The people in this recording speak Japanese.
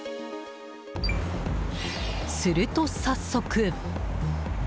すると早速。